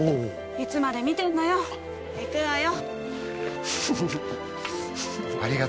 いつまで見てんのよ行くわよ。